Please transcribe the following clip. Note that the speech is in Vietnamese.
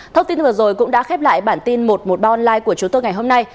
thông tin vừa rồi cũng đã khép lại bản tin một trăm một mươi ba online của chúng tôi ngày hôm nay